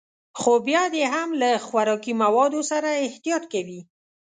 خو بيا دې هم له خوراکي موادو سره احتياط کوي.